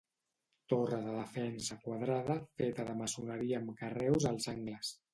Torre de defensa quadrada feta de maçoneria amb carreus als angles.